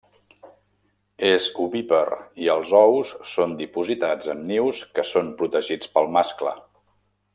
És ovípar i els ous són dipositats en nius que són protegits pel mascle.